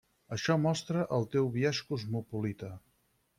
Això mostra el teu biaix cosmopolita.